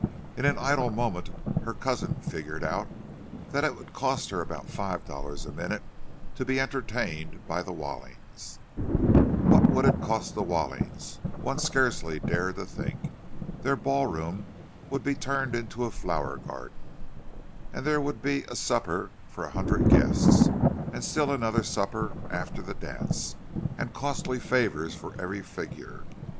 In an idle moment her cousin figured out that it was to cost her about five dollars a minute to be entertained by the Wallings! What it would cost the Wallings, one scarcely dared to think. Their ballroom would be turned into a flower garden; and there would be a supper for a hundred guests, and still another supper after the dance, and costly favours for every figure.